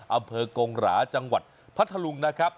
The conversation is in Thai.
อำเภอกงหราจังหวัดพัทธลุงนะครับ